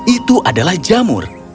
itu adalah jamur